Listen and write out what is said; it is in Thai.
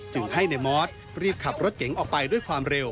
จึงให้นายมอสรีบขับรถเก๋งออกไปด้วยความเร็ว